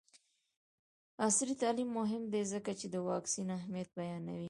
عصري تعلیم مهم دی ځکه چې د واکسین اهمیت بیانوي.